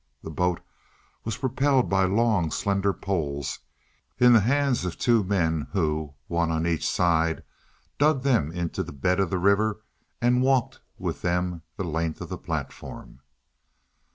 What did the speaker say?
The boat was propelled by long, slender poles in the hands of the two men, who, one on each side, dug them into the bed of the river and walked with them the length of the platform.